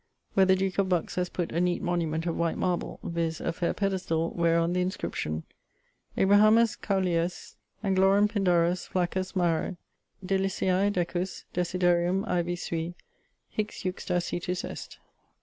where the duke of Bucks has putt a neate monument of white marble, viz. a faire pedestall, wheron the inscription: Abrahamus Couleius, Anglorum Pindarus, Flaccus, Maro, Deliciae, Decus, Desiderium aevi sui, Hic juxta situs est.